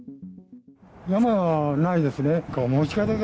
山はないですね。